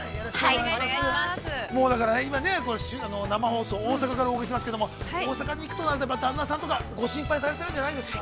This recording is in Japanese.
◆今ね、生放送大阪からお送りしていますけれども、大阪に行くとなると旦那さんとか、ご心配されているんじゃないですか。